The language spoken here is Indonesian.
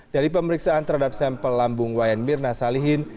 dari pemeriksaan terhadap sampel lambung wayan mirna salihin